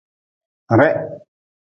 Reh.